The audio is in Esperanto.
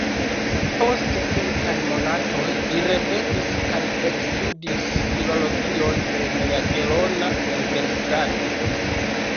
Post kelkaj monatoj li revenis kaj ekstudis filologion en Jagelona Universitato.